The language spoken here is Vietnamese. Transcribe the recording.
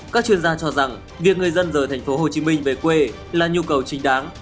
các chuyên gia cho rằng việc người dân rời thành phố hồ chí minh về quê là nhu cầu chính đáng